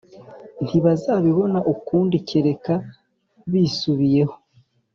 ntibazabibona ukundi kereka bisubiyeho